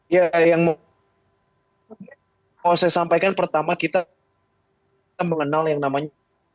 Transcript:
ya yang mau saya sampaikan pertama kita mengenal yang namanya